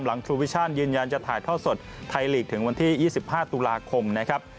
ทูวิชั่นยืนยันจะถ่ายท่อสดไทยลีกถึงวันที่๒๕ตุลาคมนะครับ